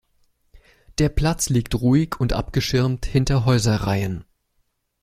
Der Platz liegt ruhig und abgeschirmt hinter Häuserreihen.